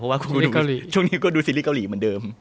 เพราะว่าช่วงนี้ก็ดูซีรีสเกาหลีเหมือนเดิม